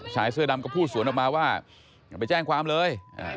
ชายเสื้อดำก็พูดสวนออกมาว่าอย่าไปแจ้งความเลย